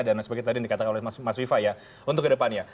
dan seperti tadi yang dikatakan oleh mas ifah ya untuk ke depannya